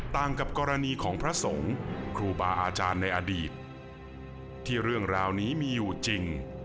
ต่างกับกรณีของพระสงฆ์ครูบาอาจารย์ในอดีตที่เรื่องราวนี้มีอยู่จริง